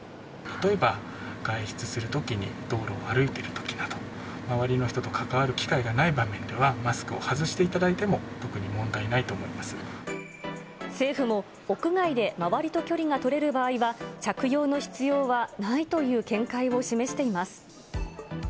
例えば外出するときに道路を歩いているときなど、周りの人と関わる機会がない場面では、マスクを外していただいて政府も、屋外で周りと距離が取れる場合は、着用の必要はないという見解を示しています。